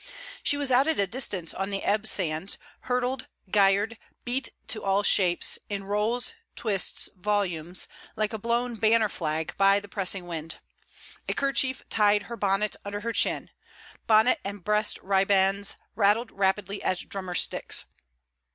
She was out at a distance on the ebb sands, hurtled, gyred, beaten to all shapes, in rolls, twists, volumes, like a blown banner flag, by the pressing wind. A kerchief tied her bonnet under her chin. Bonnet and breast ribands rattled rapidly as drummer sticks.